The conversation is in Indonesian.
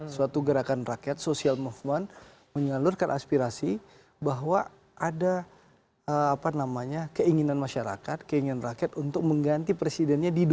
suatu gerakan rakyat social movement menyalurkan aspirasi bahwa ada keinginan masyarakat keinginan rakyat untuk mengganti presidennya di dua ribu dua puluh